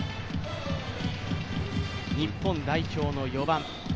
日本代表の４番。